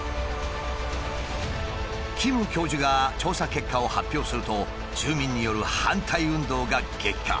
キム教授が調査結果を発表すると住民による反対運動が激化。